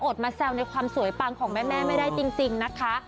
มาแซวในความสวยปังของแม่ไม่ได้จริงนะคะ